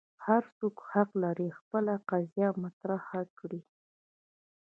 هر څوک حق لري خپل قضیه مطرح کړي.